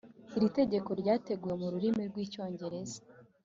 iri tegeko ryateguwe mu rurimi rw icyongereza